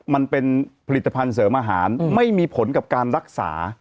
มันเป็นผลิตภัณฑ์เสริมอาหารไม่มีผลกับการรักษา